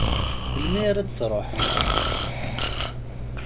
Melmi ara d-truḥem?